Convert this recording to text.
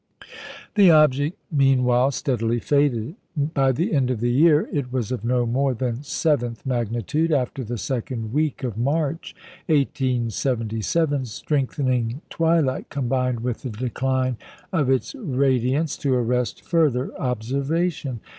The object, meanwhile, steadily faded. By the end of the year it was of no more than seventh magnitude. After the second week of March, 1877, strengthening twilight combined with the decline of its radiance to arrest further observation.